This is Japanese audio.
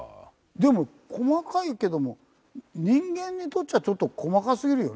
でも細かいけども人間にとっちゃちょっと細かすぎるよね。